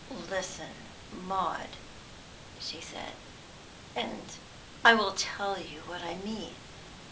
"Listen, Maud," she said, "and I will tell you what I mean.